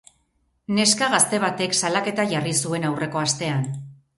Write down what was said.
Neska gazte batek salaketa jarri zuen aurreko astean.